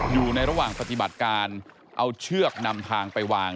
อยู่ในระหว่างปฏิบัติการเอาเชือกนำทางไปวาง